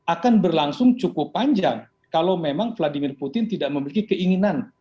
akan berlangsung cukup panjang kalau memang vladimir putin tidak memiliki keinginan